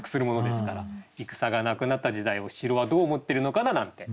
戦がなくなった時代を城はどう思ってるのかな？なんて